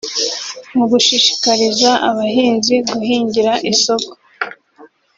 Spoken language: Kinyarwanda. mu gushishikariza abahinzi guhingira isoko